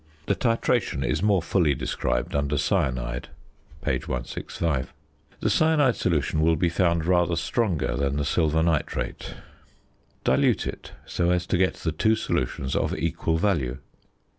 The titration is more fully described under Cyanide, p. 165. The cyanide solution will be found rather stronger than the silver nitrate; dilute it so as to get the two solutions of equal value.